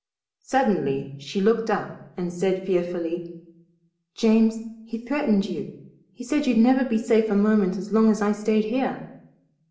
Suddenly she looked up and said fearfully, "James, he threatened you. He said you'd never be safe a moment as long as I stayed here."